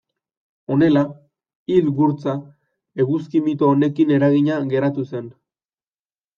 Honela, hil gurtza, eguzki mito honekin eragina geratu zen.